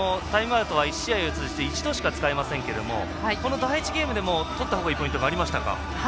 タイムアウトは１試合を通じて１度しか使えませんけどこの第１ゲームでもとったほうがいいポイントありましたか？